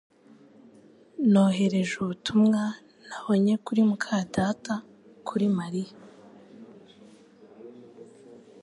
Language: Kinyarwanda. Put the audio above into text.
Nohereje ubutumwa nabonye kuri muka data kuri Mariya